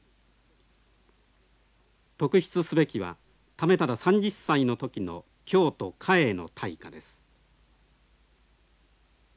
特筆すべきは為理３０歳の時の京都嘉永の大火です。